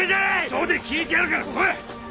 署で聴いてやるから来い！